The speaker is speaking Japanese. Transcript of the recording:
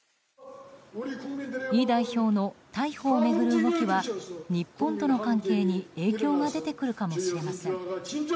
イ代表の逮捕を巡る動きは日本との関係に影響が出てくるかもしれません。